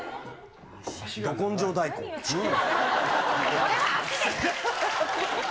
これは足です！